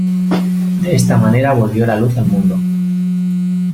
De esta manera volvió la luz al mundo.